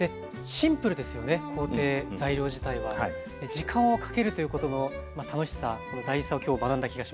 時間をかけるということの楽しさ大事さを今日学んだ気がします。